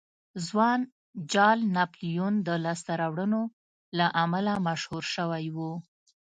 ځوان جال ناپلیون د لاسته راوړنو له امله مشهور شوی و.